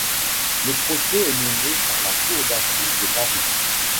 Le procès est mené par la cour d'assises de Paris.